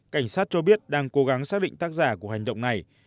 cảnh sát cho biết đang cố gắng xác định tác giả của hành động này